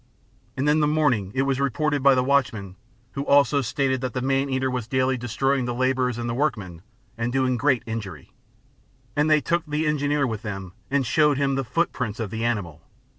And in the morning it was reported by the watchman, who also stated that the man eater was daily destroying the labourers and workmen, and doing great injury; And they took the Engineer with them and showed him the footprints of the animal.